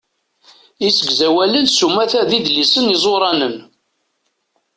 Isegzawalen s umata d idlisen izuranen.